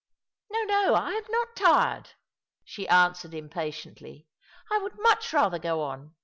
" No, no, I am not tired," she answered impatiently. " I ■^ould much rather go on.